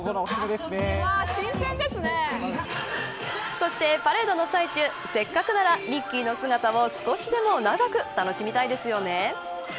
そして、パレードの最中せっかくならミッキーの姿を少しでも長く楽しみたいですよね。